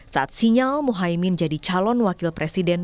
saat sinyal muhaymin jadi calon wakil presiden